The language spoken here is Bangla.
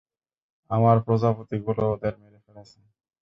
আমার প্রজাপতি গুলো, ওদের মেরে ফেলেছে!